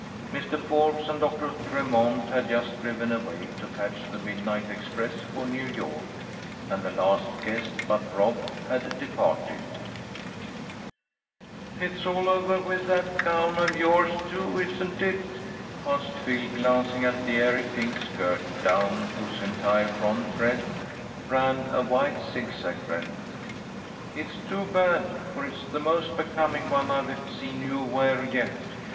Mr. Forbes and Doctor Tremont had just driven away to catch the midnight express for New York, and the last guest but Rob had departed. "It's all over with that gown of yours, too, isn't it?" asked Phil, glancing at the airy pink skirt, down whose entire front breadth ran a wide, zigzag rent. "It's too bad, for it's the most becoming one I've seen you wear yet.